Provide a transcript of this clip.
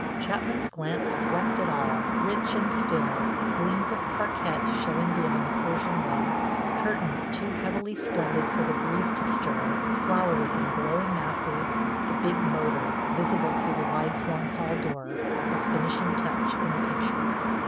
Chapman's glance swept it all—rich and still, gleams of parquette showing beyond the Persian rugs, curtains too heavily splendid for the breeze to stir, flowers in glowing masses, the big motor, visible through the wide flung hall door, a finishing touch in the picture.